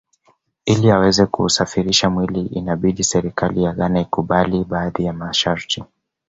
Ili aweze kuusafirisha mwili inabidi serikali ya Ghana ikubali baadhi ya masharti